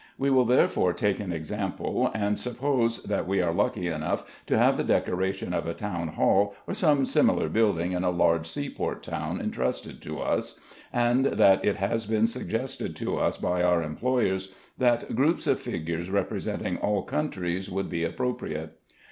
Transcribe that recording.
We will therefore take an example, and suppose that we are lucky enough to have the decoration of a town hall or some similar building in a large seaport town entrusted to us, and that it has been suggested to us by our employers that groups of figures representing all countries would be appropriate.